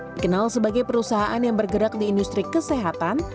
dikenal sebagai perusahaan yang bergerak di industri kesehatan